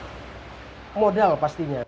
ya yang pertama modal pastinya